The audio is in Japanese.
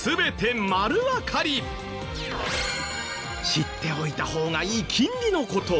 知っておいた方がいい金利の事。